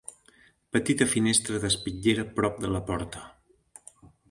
Petita finestra d'espitllera prop de la porta.